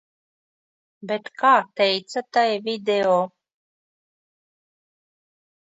Bet kā teica tai video.